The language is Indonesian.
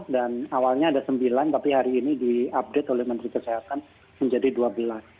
dan awalnya ada sembilan tapi hari ini diupdate oleh menteri kesehatan menjadi dua belas